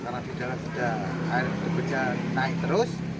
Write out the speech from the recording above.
karena di dalam sudah air terbenca naik terus